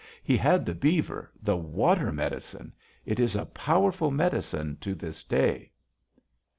He had the beaver the water medicine! It is a powerful medicine to this day!"